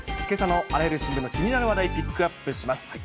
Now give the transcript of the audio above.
けさのあらゆる新聞の気になる話題、ピックアップします。